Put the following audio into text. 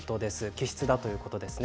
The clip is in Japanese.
気質だということです。